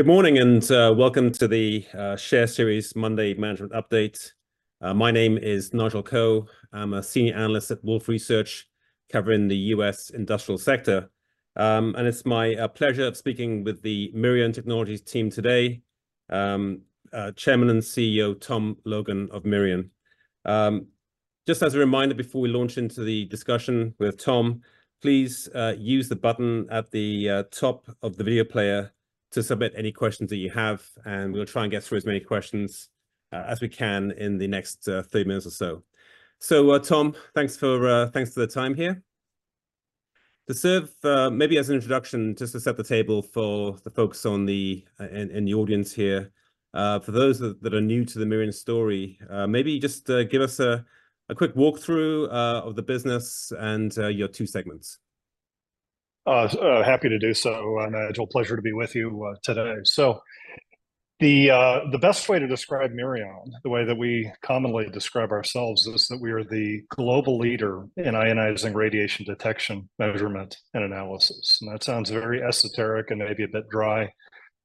Good morning and welcome to the Share Series Monday Management Updates. My name is Nigel Coe. I'm a senior analyst at Wolfe Research covering the U.S. industrial sector, and it's my pleasure of speaking with the Mirion Technologies team today, Chairman and CEO Tom Logan of Mirion. Just as a reminder before we launch into the discussion with Tom, please use the button at the top of the video player to submit any questions that you have, and we'll try and get through as many questions as we can in the next 30 minutes or so. So, Tom, thanks for, thanks for the time here. To serve, maybe as an introduction, just to set the table for the folks on the in the audience here, for those that are new to the Mirion story, maybe just give us a quick walkthrough of the business and your two segments. I'm happy to do so, and it's a pleasure to be with you today. So the best way to describe Mirion, the way that we commonly describe ourselves, is that we are the global leader in ionizing radiation detection, measurement, and analysis. And that sounds very esoteric and maybe a bit dry,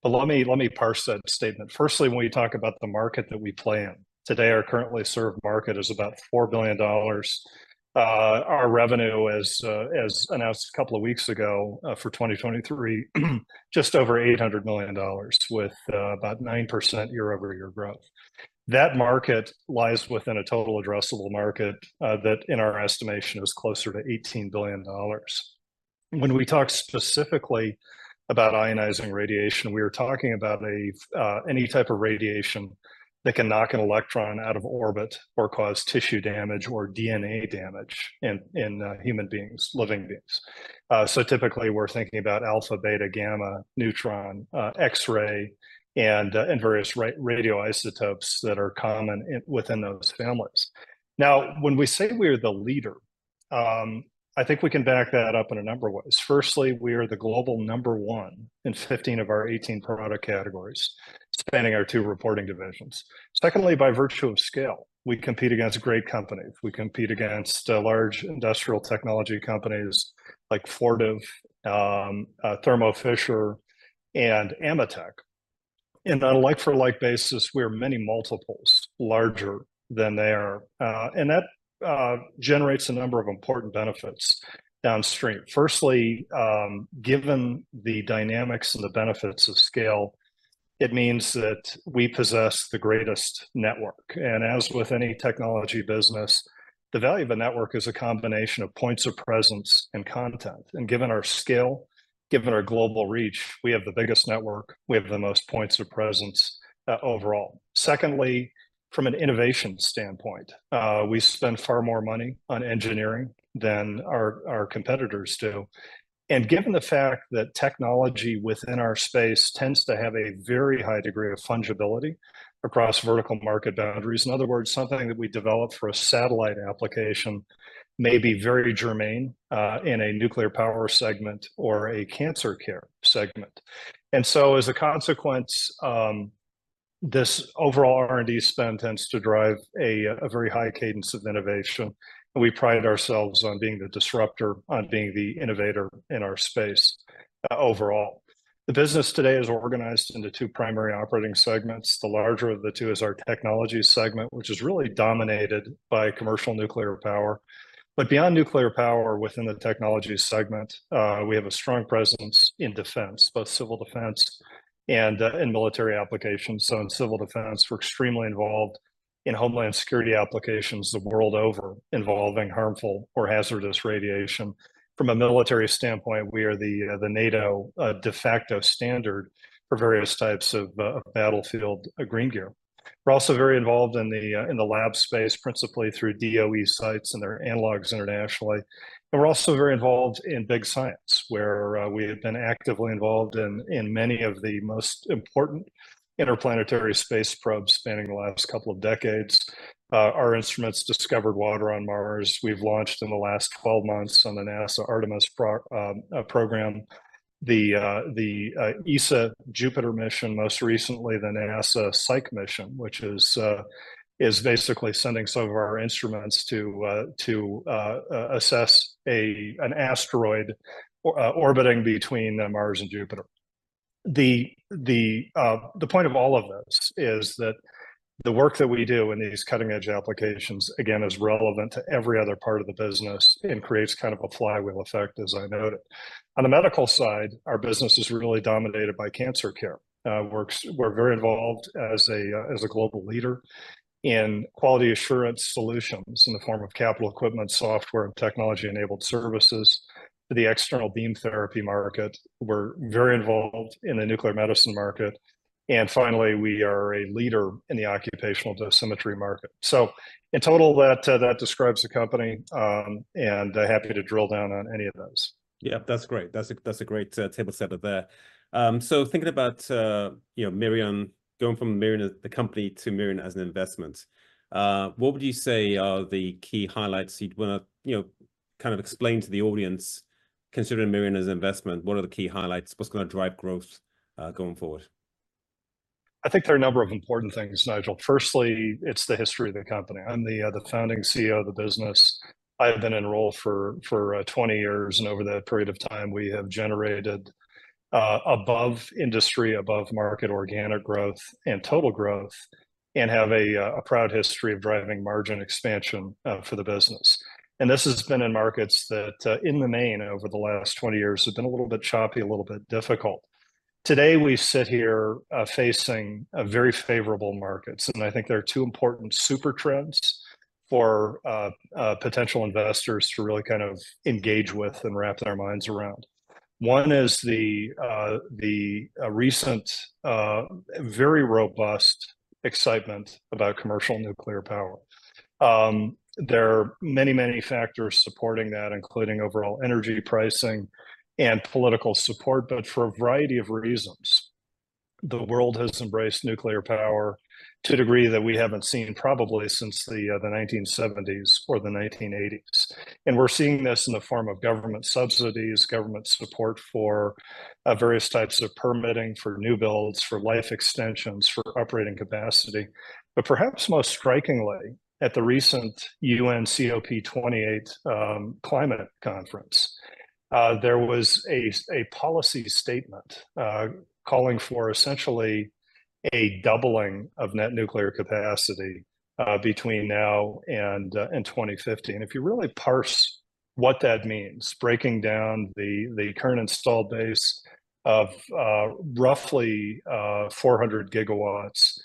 but let me parse that statement. Firstly, when we talk about the market that we play in, today our currently served market is about $4 billion. Our revenue, as announced a couple of weeks ago, for 2023, just over $800 million, with about 9% quarter-over-quarter growth. That market lies within a total addressable market that in our estimation is closer to $18 billion. When we talk specifically about ionizing radiation, we are talking about any type of radiation that can knock an electron out of orbit or cause tissue damage or DNA damage in human beings, living beings. Typically we're thinking about alpha, beta, gamma, neutron, X-ray, and various radioisotopes that are common within those families. Now, when we say we are the leader, I think we can back that up in a number of ways. Firstly, we are the global number one in 15 of our 18 product categories, spanning our two reporting divisions. Secondly, by virtue of scale, we compete against great companies. We compete against large industrial technology companies like Fortive, Thermo Fisher, and AMETEK. And on a like-for-like basis, we are many multiples larger than they are, and that generates a number of important benefits downstream. Firstly, given the dynamics and the benefits of scale, it means that we possess the greatest network. And as with any technology business, the value of a network is a combination of points of presence and content. And given our scale, given our global reach, we have the biggest network. We have the most points of presence, overall. Secondly, from an innovation standpoint, we spend far more money on engineering than our competitors do. And given the fact that technology within our space tends to have a very high degree of fungibility across vertical market boundaries, in other words, something that we develop for a satellite application may be very germane, in a nuclear power segment or a cancer care segment. As a consequence, this overall R&D spend tends to drive a very high cadence of innovation, and we pride ourselves on being the disruptor, on being the innovator in our space, overall. The business today is organized into two primary operating segments. The larger of the two is our technology segment, which is really dominated by commercial nuclear power. But beyond nuclear power, within the technology segment, we have a strong presence in defense, both civil defense and, in military applications. So in civil defense, we're extremely involved in homeland security applications the world over involving harmful or hazardous radiation. From a military standpoint, we are the NATO de facto standard for various types of battlefield green gear. We're also very involved in the lab space, principally through DOE sites and their analogs internationally. And we're also very involved in big science, where we have been actively involved in many of the most important interplanetary space probes spanning the last couple of decades. Our instruments discovered water on Mars. We've launched in the last 12th months on the NASA Artemis program, the ESA Jupiter mission, most recently the NASA Psyche mission, which is basically sending some of our instruments to assess an asteroid orbiting between Mars and Jupiter. The point of all of this is that the work that we do in these cutting-edge applications, again, is relevant to every other part of the business and creates kind of a flywheel effect, as I noted. On the medical side, our business is really dominated by cancer care. We're very involved as a global leader in quality assurance solutions in the form of capital equipment, software, and technology-enabled services to the External Beam Therapy market. We're very involved in the Nuclear Medicine market. And finally, we are a leader in the Occupational Dosimetry market. So in total, that describes the company, and happy to drill down on any of those. Yep, that's great. That's a great table set up there. So thinking about, you know, Mirion, going from Mirion as the company to Mirion as an investment, what would you say are the key highlights you'd wanna, you know, kind of explain to the audience considering Mirion as an investment? What are the key highlights? What's going to drive growth, going forward? I think there are a number of important things, Nigel. Firstly, it's the history of the company. I'm the founding CEO of the business. I have been enrolled for 20 years, and over that period of time, we have generated above industry, above market organic growth and total growth, and have a proud history of driving margin expansion for the business. And this has been in markets that, in the main over the last 20 years have been a little bit choppy, a little bit difficult. Today we sit here, facing very favorable markets, and I think there are two important super trends for potential investors to really kind of engage with and wrap their minds around. One is the recent, very robust excitement about commercial nuclear power. There are many, many factors supporting that, including overall energy pricing and political support, but for a variety of reasons, the world has embraced nuclear power to a degree that we haven't seen probably since the 1970s or the 1980s. And we're seeing this in the form of government subsidies, government support for various types of permitting, for new builds, for life extensions, for operating capacity. But perhaps most strikingly, at the recent UN COP28 climate conference, there was a policy statement calling for essentially a doubling of net nuclear capacity between now and 2050. And if you really parse what that means, breaking down the current installed base of, roughly, 400 gigawatts,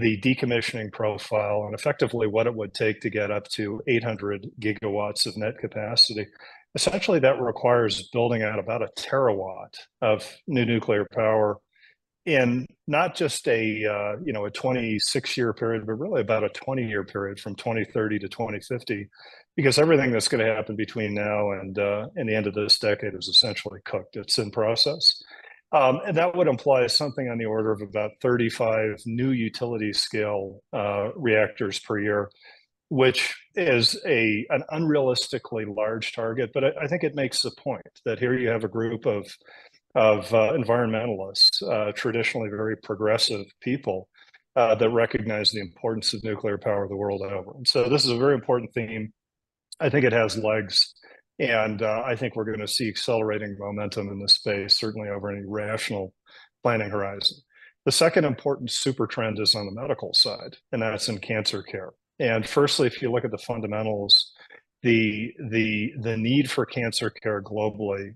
the decommissioning profile, and effectively what it would take to get up to 800 gigawatts of net capacity, essentially that requires building out about 1 terawatt of new nuclear power in not just a, you know, 26-year period, but really about a 20-year period from 2030 to 2050, because everything that's going to happen between now and the end of this decade is essentially cooked. It's in process. And that would imply something on the order of about 35 new utility-scale reactors per year, which is an unrealistically large target. But I think it makes the point that here you have a group of environmentalists, traditionally very progressive people, that recognize the importance of nuclear power the world over. This is a very important theme. I think it has legs, and I think we're going to see accelerating momentum in this space, certainly over any rational planning horizon. The second important super trend is on the medical side, and that's in cancer care. Firstly, if you look at the fundamentals, the need for cancer care globally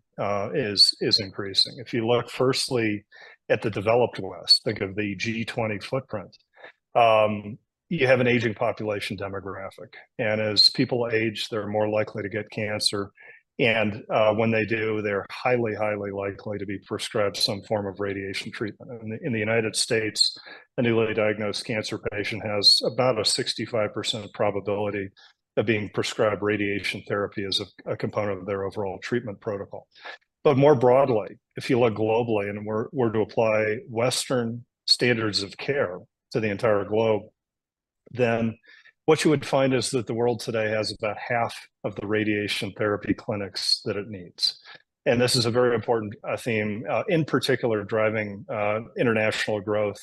is increasing. If you look firstly at the developed West, think of the G20 footprint, you have an aging population demographic, and as people age, they're more likely to get cancer. And when they do, they're highly, highly likely to be prescribed some form of radiation treatment. And in the United States, a newly diagnosed cancer patient has about a 65% probability of being prescribed radiation therapy as a component of their overall treatment protocol. More broadly, if you look globally and we're to apply Western standards of care to the entire globe, then what you would find is that the world today has about half of the radiation therapy clinics that it needs. And this is a very important theme, in particular driving international growth,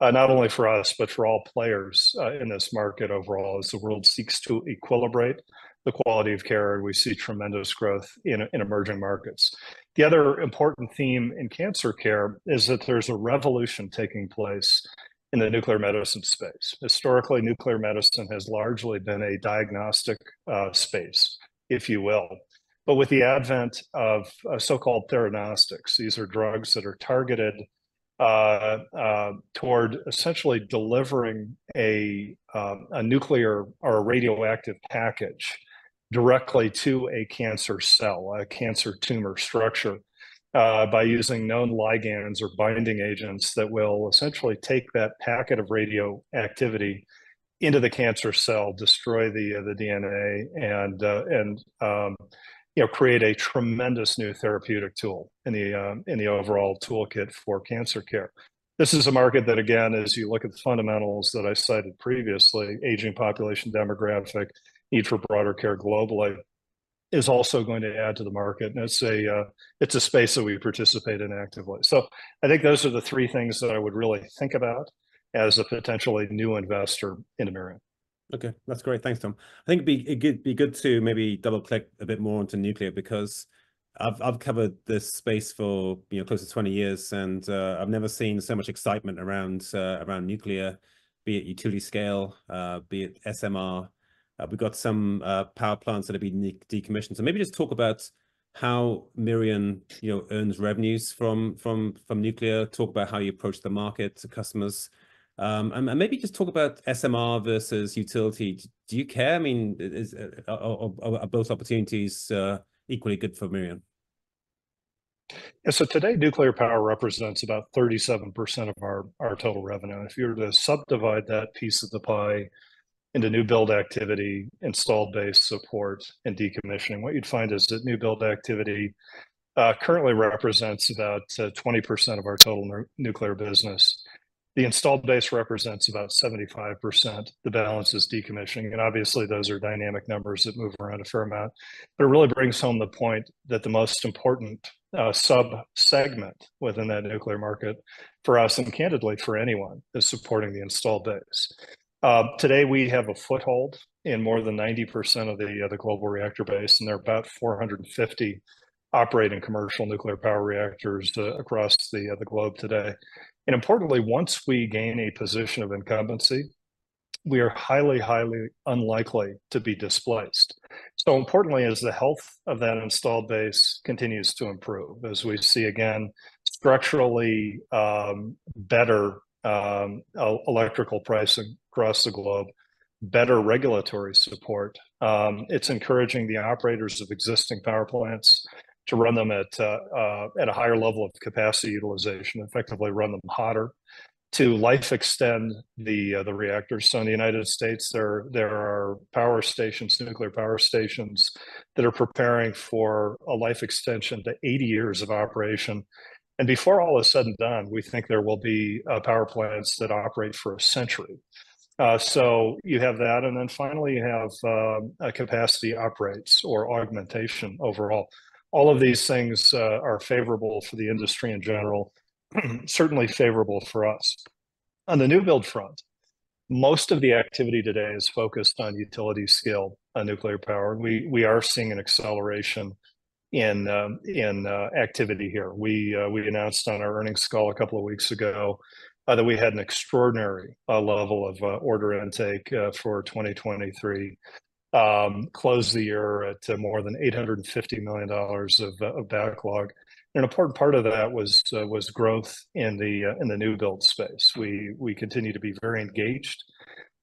not only for us, but for all players in this market overall, as the world seeks to equilibrate the quality of care, and we see tremendous growth in emerging markets. The other important theme in cancer care is that there's a revolution taking place in the nuclear medicine space. Historically, nuclear medicine has largely been a diagnostic space, if you will. But with the advent of so-called theranostics, these are drugs that are targeted toward essentially delivering a nuclear or a radioactive package directly to a cancer cell, a cancer tumor structure, by using known ligands or binding agents that will essentially take that packet of radioactivity into the cancer cell, destroy the DNA, and, you know, create a tremendous new therapeutic tool in the overall toolkit for cancer care. This is a market that, again, as you look at the fundamentals that I cited previously, aging population demographic, need for broader care globally, is also going to add to the market. And it's a space that we participate in actively. So I think those are the three things that I would really think about as a potentially new investor in Mirion. Okay, that's great. Thanks, Tom. I think it'd be good to maybe double-click a bit more onto nuclear because I've covered this space for, you know, close to 20s years, and, I've never seen so much excitement around nuclear, be it utility scale, be it SMR. We've got some power plants that have been decommissioned. So maybe just talk about how Mirion, you know, earns revenues from nuclear. Talk about how you approach the market, the customers. And maybe just talk about SMR versus utility. Do you care? I mean, are both opportunities equally good for Mirion? Yeah, so today nuclear power represents about 37% of our total revenue. If you were to subdivide that piece of the pie into new build activity, installed base support, and decommissioning, what you'd find is that new build activity, currently represents about, 20% of our total nuclear business. The installed base represents about 75%. The balance is decommissioning. And obviously, those are dynamic numbers that move around a fair amount. But it really brings home the point that the most important, subsegment within that nuclear market for us, and candidly for anyone, is supporting the installed base. Today we have a foothold in more than 90% of the global reactor base, and there are about 450 operating commercial nuclear power reactors, across the globe today. And importantly, once we gain a position of incumbency, we are highly, highly unlikely to be displaced. So importantly, as the health of that installed base continues to improve, as we see, again, structurally, better electrical pricing across the globe, better regulatory support, it's encouraging the operators of existing power plants to run them at a higher level of capacity utilization, effectively run them hotter, to life-extend the reactors. So in the United States, there are power stations, nuclear power stations, that are preparing for a life extension to 80 years of operation. And before all is said and done, we think there will be power plants that operate for a century. So you have that. And then finally, you have capacity uprates or augmentation overall. All of these things are favorable for the industry in general, certainly favorable for us. On the new build front, most of the activity today is focused on utility-scale nuclear power. We are seeing an acceleration in activity here. We announced on our earnings call a couple of weeks ago that we had an extraordinary level of order intake for 2023, closed the year at more than $850 million of backlog. An important part of that was growth in the new build space. We continue to be very engaged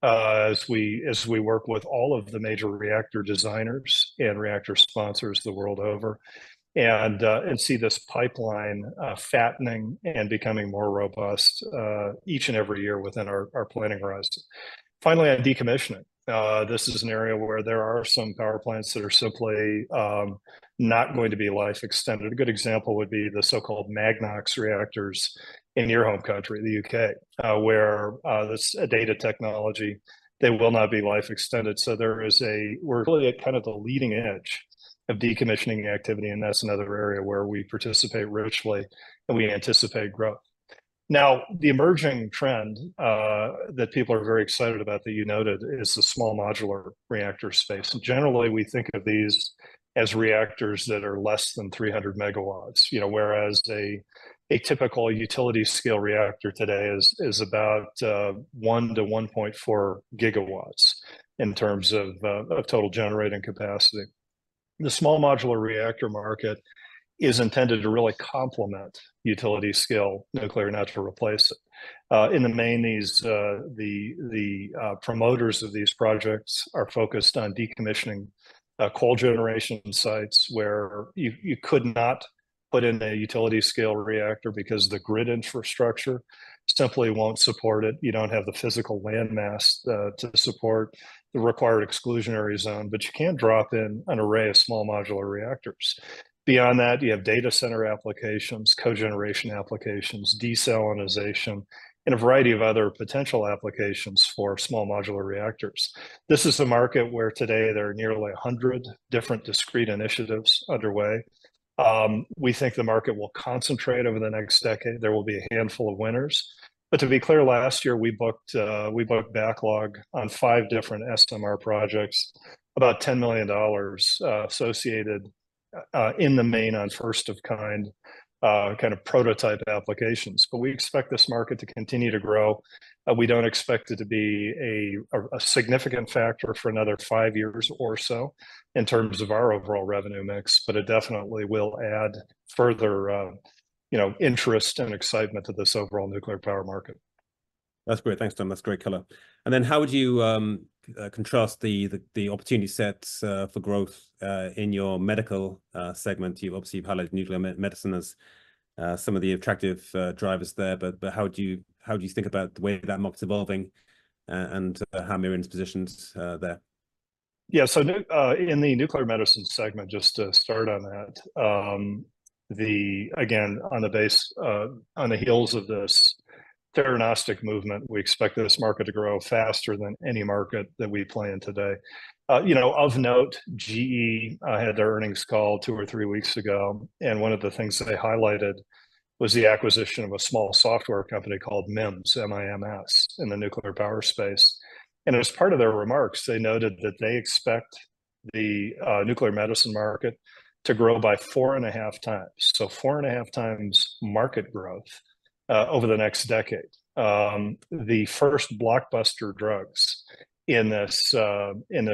as we work with all of the major reactor designers and reactor sponsors the world over and see this pipeline fattening and becoming more robust each and every year within our planning horizon. Finally, on decommissioning, this is an area where there are some power plants that are simply not going to be life extended. A good example would be the so-called Magnox reactors in your home country, the U.K., where that's dated technology. They will not be life extended. So there is, we're really at kind of the leading edge of decommissioning activity, and that's another area where we participate richly, and we anticipate growth. Now, the emerging trend that people are very excited about that you noted is the small modular reactor space. And generally, we think of these as reactors that are less than 300 megawatts, you know, whereas a typical utility-scale reactor today is about 1-1.4 gigawatts in terms of total generating capacity. The small modular reactor market is intended to really complement utility-scale nuclear, not to replace it. In the main, these promoters of these projects are focused on decommissioning coal generation sites where you could not put in a utility-scale reactor because the grid infrastructure simply won't support it. You don't have the physical landmass to support the required exclusionary zone, but you can drop in an array of small modular reactors. Beyond that, you have data center applications, co-generation applications, desalinization, and a variety of other potential applications for small modular reactors. This is a market where today there are nearly 100 different discrete initiatives underway. We think the market will concentrate over the next decade. There will be a handful of winners. But to be clear, last year we booked, we booked backlog on five different SMR projects, about $10 million, associated, in the main on first-of-kind, kind of prototype applications. But we expect this market to continue to grow. We don't expect it to be a significant factor for another five years or so in terms of our overall revenue mix, but it definitely will add further, you know, interest and excitement to this overall nuclear power market. That's great. Thanks, Tom. That's great color. And then how would you contrast the opportunity sets for growth in your medical segment? You obviously highlight nuclear medicine as some of the attractive drivers there. But how do you think about the way that market's evolving, and how Mirion's positioned there? Yeah, so, in the nuclear medicine segment, just to start on that, the again, on the base, on the heels of this theranostic movement, we expect this market to grow faster than any market that we play in today. You know, of note, GE had their earnings call 2 or 3 weeks ago, and one of the things they highlighted was the acquisition of a small software company called MIM, M-I-M, in the nuclear power space. As part of their remarks, they noted that they expect the nuclear medicine market to grow by 4.5 times, so 4.5 times market growth, over the next decade. The first blockbuster drugs in this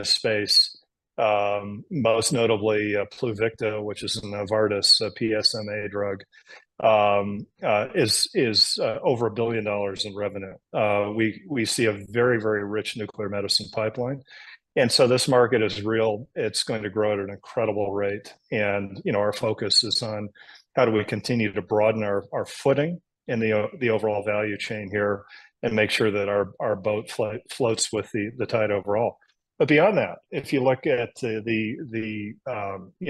space, most notably Pluvicto, which is a Novartis PSMA drug, is over $1 billion in revenue. We see a very, very rich nuclear medicine pipeline. And so this market is real. It's going to grow at an incredible rate. And, you know, our focus is on how do we continue to broaden our footing in the overall value chain here and make sure that our boat floats with the tide overall. But beyond that, if you look at the, you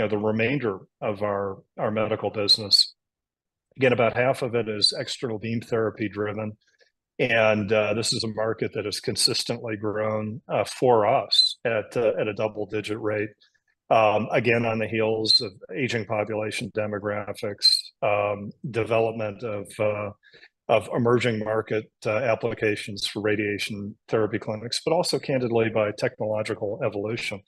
know, the remainder of our medical business, again, about half of it is External Beam Therapy driven. And, this is a market that has consistently grown, for us at a double-digit rate, again, on the heels of aging population demographics, development of emerging market applications for radiation therapy clinics, but also candidly by technological evolution.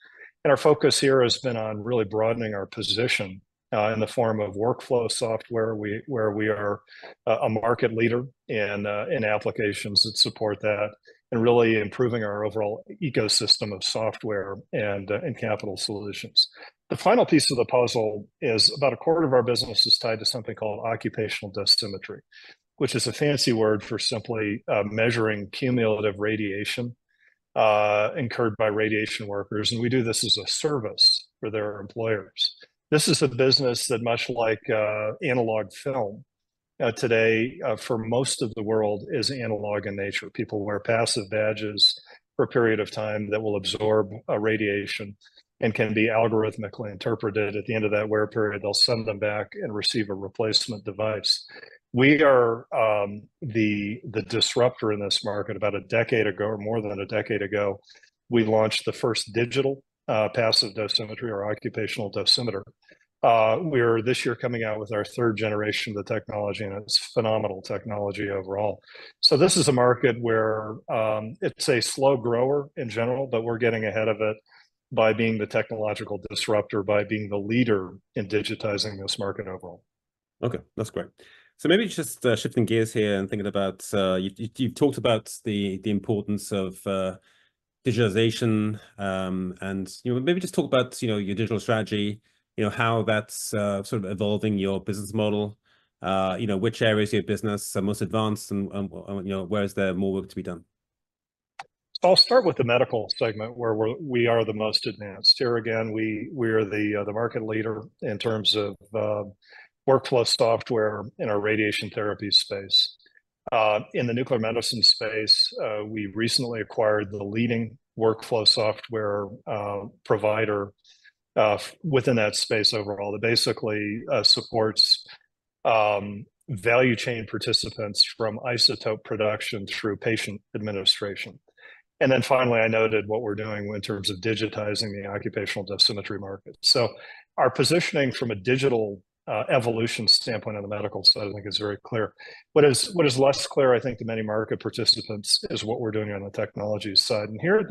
And our focus here has been on really broadening our position in the form of workflow software where we are a market leader in applications that support that and really improving our overall ecosystem of software and capital solutions. The final piece of the puzzle is about a quarter of our business is tied to something called Occupational Dosimetry, which is a fancy word for simply measuring cumulative radiation incurred by radiation workers. And we do this as a service for their employers. This is a business that, much like analog film, today for most of the world is analog in nature. People wear passive badges for a period of time that will absorb radiation and can be algorithmically interpreted. At the end of that wear period, they'll send them back and receive a replacement device. We are the disruptor in this market. About a decade ago, or more than a decade ago, we launched the first digital, passive dosimetry or occupational dosimeter. We are this year coming out with our third generation of the technology, and it's phenomenal technology overall. So this is a market where, it's a slow grower in general, but we're getting ahead of it by being the technological disruptor, by being the leader in digitizing this market overall. Okay, that's great. So maybe just shifting gears here and thinking about, you've talked about the importance of digitization, and you know, maybe just talk about you know, your digital strategy, you know, how that's sort of evolving your business model, you know, which areas of your business are most advanced and you know, where is there more work to be done? I'll start with the medical segment where we're the most advanced. Here again, we are the market leader in terms of workflow software in our radiation therapy space. In the nuclear medicine space, we recently acquired the leading workflow software provider within that space overall that basically supports value chain participants from isotope production through patient administration. And then finally, I noted what we're doing in terms of digitizing the occupational dosimetry market. So our positioning from a digital evolution standpoint on the medical side I think is very clear. What is less clear, I think, to many market participants is what we're doing on the technology side. And here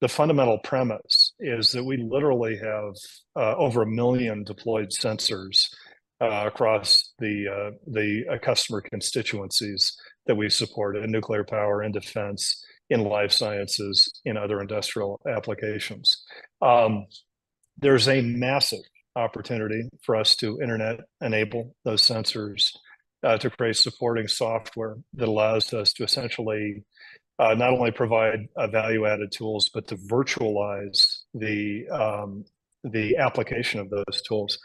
the fundamental premise is that we literally have over 1 million deployed sensors across the customer constituencies that we support in nuclear power, in defense, in life sciences, in other industrial applications. There's a massive opportunity for us to internet-enable those sensors, to create supporting software that allows us to essentially not only provide value-added tools, but to virtualize the application of those tools.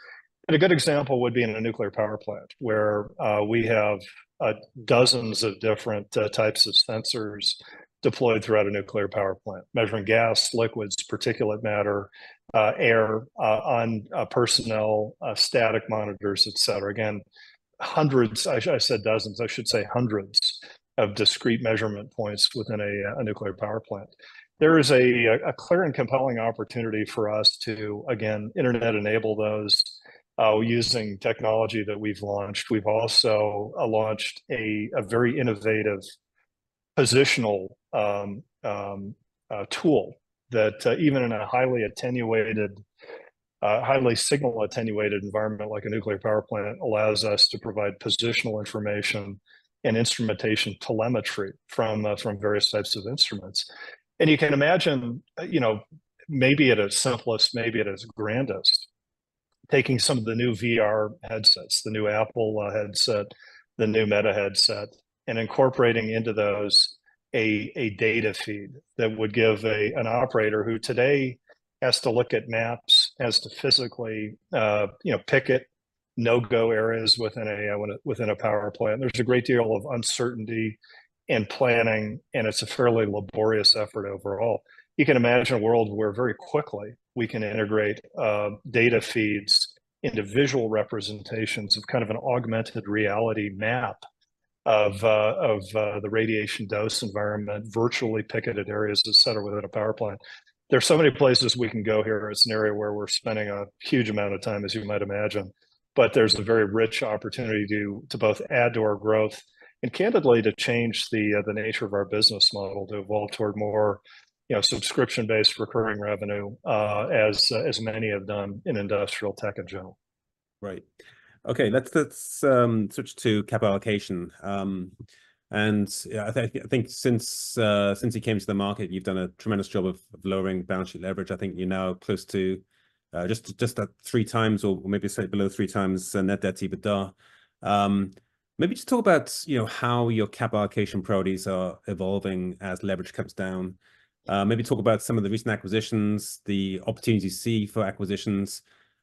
And a good example would be in a nuclear power plant where we have dozens of different types of sensors deployed throughout a nuclear power plant, measuring gas, liquids, particulate matter, air on personnel, static monitors, et cetera. Again, hundreds. I said dozens. I should say hundreds of discrete measurement points within a nuclear power plant. There is a clear and compelling opportunity for us to again internet-enable those using technology that we've launched. We've also launched a very innovative positional tool that even in a highly attenuated, highly signal-attenuated environment like a nuclear power plant allows us to provide positional information and instrumentation telemetry from various types of instruments. And you can imagine, you know, maybe at its simplest, maybe at its grandest, taking some of the new VR headsets, the new Apple headset, the new Meta headset, and incorporating into those a data feed that would give an operator who today has to look at maps, has to physically, you know, pick at no-go areas within a power plant. There's a great deal of uncertainty and planning, and it's a fairly laborious effort overall. You can imagine a world where very quickly we can integrate data feeds into visual representations of kind of an augmented reality map of the radiation dose environment, virtually picketed areas, et cetera, within a power plant. There's so many places we can go here. It's an area where we're spending a huge amount of time, as you might imagine. But there's a very rich opportunity to both add to our growth and candidly to change the nature of our business model, to evolve toward more, you know, subscription-based recurring revenue, as many have done in industrial tech in general. Right. Okay, let's switch to cap allocation. And I think since you came to the market, you've done a tremendous job of lowering balance sheet leverage. I think you're now close to just at three times or maybe a bit below three times net debt EBITDA. Maybe just talk about, you know, how your cap allocation priorities are evolving as leverage comes down. Maybe talk about some of the recent acquisitions, the opportunities you see for acquisitions,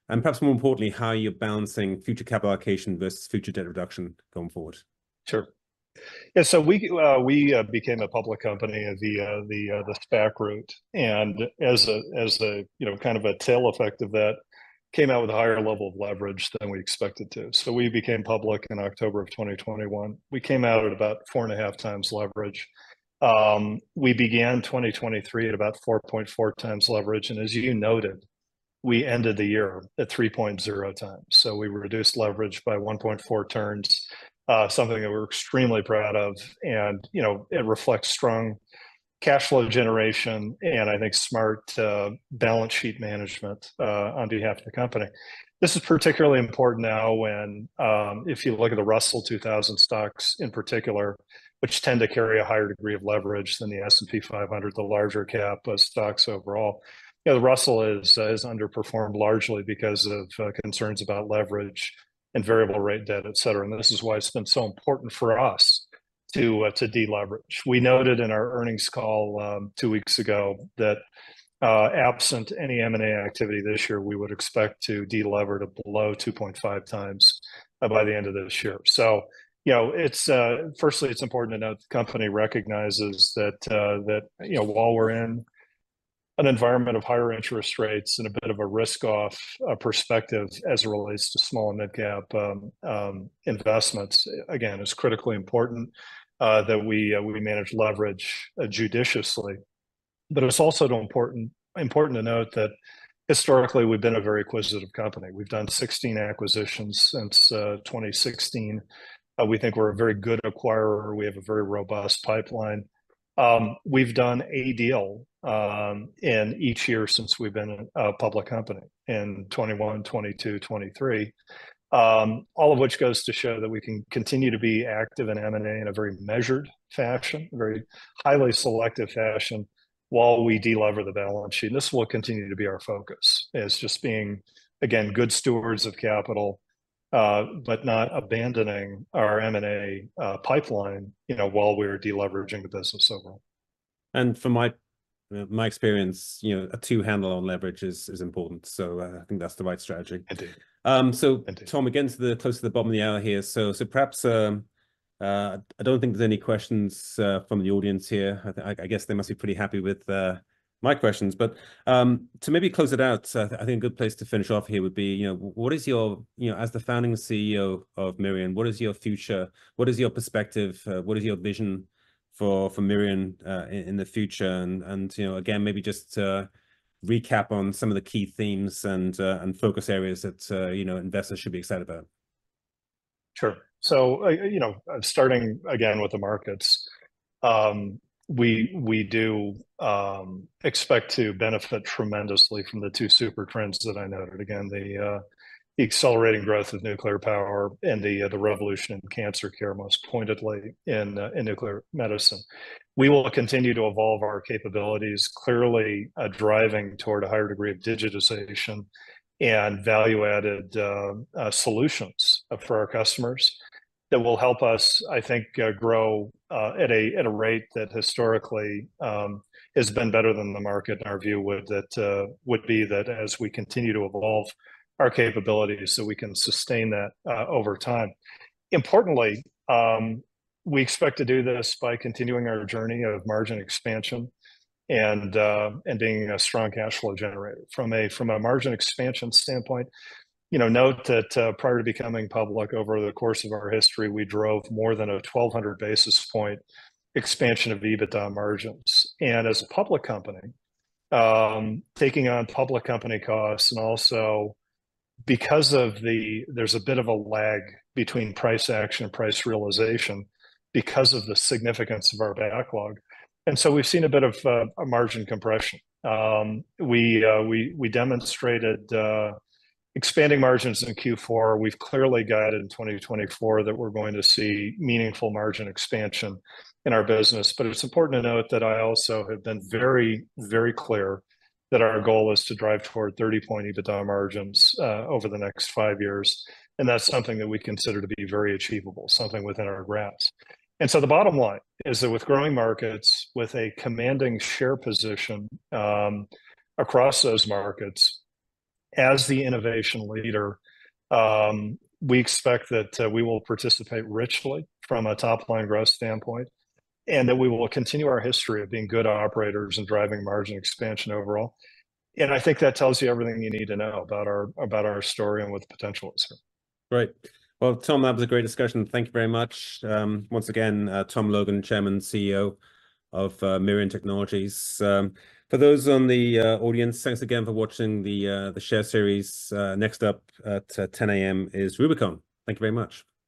and perhaps more importantly, how you're balancing future cap allocation versus future debt reduction going forward. Sure. Yeah, so we became a public company via the SPAC route. And as a, you know, kind of a tail effect of that, came out with a higher level of leverage than we expected to. So we became public in October of 2021. We came out at about 4.5x leverage. We began 2023 at about 4.4x leverage. And as you noted, we ended the year at 3.0x. So we reduced leverage by 1.4 turns, something that we're extremely proud of. And, you know, it reflects strong cash flow generation and I think smart, balance sheet management, on behalf of the company. This is particularly important now when, if you look at the Russell 2000 stocks in particular, which tend to carry a higher degree of leverage than the S&P 500, the larger cap stocks overall, you know, the Russell is underperformed largely because of concerns about leverage and variable rate debt, et cetera. This is why it's been so important for us to de-leverage. We noted in our earnings call, 2 weeks ago that, absent any M&A activity this year, we would expect to de-leverage below 2.5x by the end of this year. So, you know, it's, firstly, it's important to note the company recognizes that, you know, while we're in an environment of higher interest rates and a bit of a risk-off perspective as it relates to small and mid-cap investments, again, it's critically important that we manage leverage judiciously. It's also important to note that historically, we've been a very acquisitive company. We've done 16 acquisitions since 2016. We think we're a very good acquirer. We have a very robust pipeline. We've done a deal in each year since we've been a public company in 2021, 2022, 2023, all of which goes to show that we can continue to be active in M&A in a very measured fashion, a very highly selective fashion, while we de-leverage the balance sheet. And this will continue to be our focus as just being, again, good stewards of capital, but not abandoning our M&A pipeline, you know, while we're de-leveraging the business overall. From my experience, you know, a two-handle on leverage is important. So, I think that's the right strategy. So, Tom, again, to the close to the bottom of the hour here. So, perhaps, I don't think there's any questions from the audience here. I think I guess they must be pretty happy with my questions. But to maybe close it out, I think a good place to finish off here would be, you know, what is your, you know, as the founding CEO of Mirion, what is your future? What is your perspective? What is your vision for Mirion in the future? And you know, again, maybe just recap on some of the key themes and focus areas that, you know, investors should be excited about. Sure. So, you know, starting again with the markets, we do expect to benefit tremendously from the two supertrends that I noted. Again, the accelerating growth of nuclear power and the revolution in cancer care, most pointedly, in nuclear medicine. We will continue to evolve our capabilities, clearly, driving toward a higher degree of digitization and value-added solutions for our customers that will help us, I think, grow at a rate that historically has been better than the market, in our view, would be that as we continue to evolve our capabilities so we can sustain that over time. Importantly, we expect to do this by continuing our journey of margin expansion and being a strong cash flow generator. From a margin expansion standpoint, you know, note that, prior to becoming public, over the course of our history, we drove more than a 1,200 basis point expansion of EBITDA margins. And as a public company, taking on public company costs and also because of the there's a bit of a lag between price action and price realization because of the significance of our backlog. And so we've seen a bit of a margin compression. We demonstrated expanding margins in Q4. We've clearly guided in 2024 that we're going to see meaningful margin expansion in our business. But it's important to note that I also have been very, very clear that our goal is to drive toward 30-point EBITDA margins over the next five years. And that's something that we consider to be very achievable, something within our grasps. And so the bottom line is that with growing markets, with a commanding share position, across those markets, as the innovation leader, we expect that we will participate richly from a top-line growth standpoint and that we will continue our history of being good operators and driving margin expansion overall. And I think that tells you everything you need to know about our story and what the potential is here. Right. Well, Tom, that was a great discussion. Thank you very much. Once again, Tom Logan, Chairman and CEO of Mirion Technologies. For those in the audience, thanks again for watching the share series. Next up at 10:00 A.M. is Rubicon. Thank you very much.